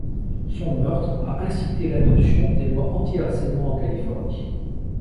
Son meurtre a incité l'adoption de lois anti-harcèlement en Californie.